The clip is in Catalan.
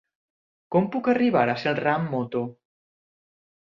Com puc arribar a Celrà amb moto?